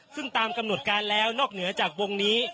ซึ่งตามกำหนดการแล้วนอกเหนือจากวงนี้